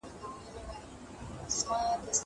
کېدای سي پوښتنه سخته وي!!